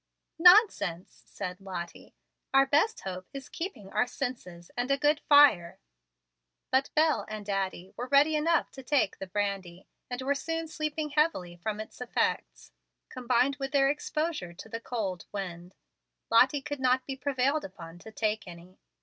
"Nonsense!" said Lottie. "Our best hope is keeping our senses and a good fire." But Bel and Addie were ready enough to take the brandy, and were soon sleeping heavily from its effects, combined with their exposure to the cold wind. Lottie could not be prevailed upon to take any.